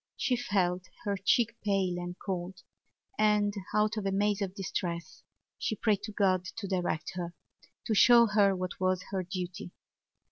She felt her cheek pale and cold and, out of a maze of distress, she prayed to God to direct her, to show her what was her duty.